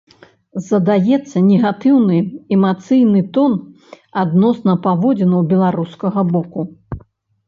Задаецца негатыўны эмацыйны тон адносна паводзінаў беларускага боку.